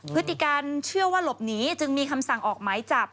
พฤติการเชื่อว่าหลบหนีจึงมีคำสั่งออกหมายจับ